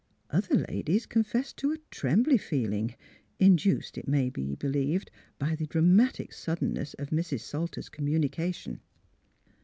Other ladies confessed to a " trembly feeling " induced, it may be believed, by the dramatic suddenness of Mrs. Salter's communication.